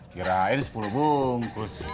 kirain sepuluh bungkus